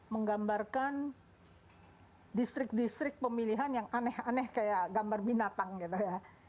menggambarkan distrik distrik pemilihan yang aneh aneh kayak gambar binatang gitu ya